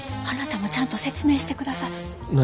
あなたもちゃんと説明してください。